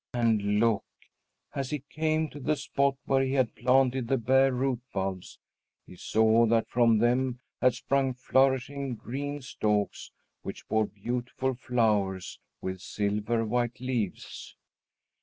And look! as he came to the spot where he had planted the bare root bulbs, he saw that from them had sprung flourishing green stalks, which bore beautiful flowers with silver white leaves.